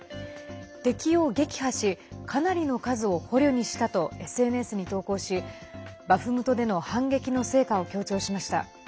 敵を撃破し、かなりの数を捕虜にしたとＳＮＳに投稿しバフムトでの反撃の成果を強調しました。